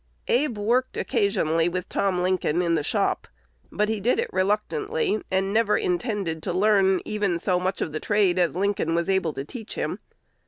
Abe worked occasionally with Tom Lincoln in the shop; but he did it reluctantly, and never intended to learn even so much of the trade as Lincoln was able to teach him.